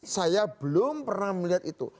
saya belum pernah melihat itu